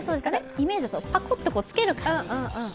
イメージだと、パコッとつける感じ。